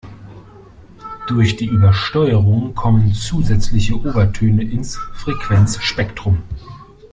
Durch die Übersteuerung kommen zusätzliche Obertöne ins Frequenzspektrum.